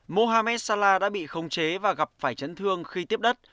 mohamed salah đã bị không chế và gặp phải trấn thương khi tiếp đất